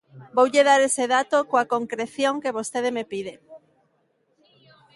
Voulle dar ese dato coa concreción que vostede me pide.